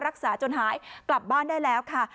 รักษาจนหายกลับบ้านได้แล้วค่ะ